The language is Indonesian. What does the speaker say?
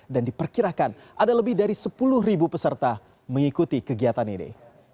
dan diperkirakan ada lebih dari sepuluh ribu peserta mengikuti kegiatan ini